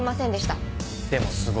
でもすごい。